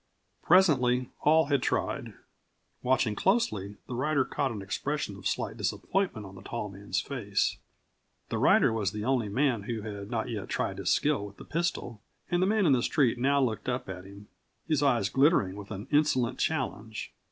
Presently all had tried. Watching closely, the rider caught an expression of slight disappointment on the tall man's face. The rider was the only man who had not yet tried his skill with the pistol, and the man in the street now looked up at him, his eyes glittering with an insolent challenge.